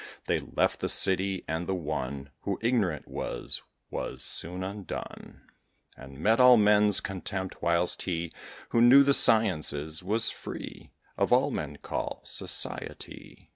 They left the city, and the one Who ignorant was [was] soon undone, And met all men's contempt; whilst he Who knew the sciences was free Of all men call society.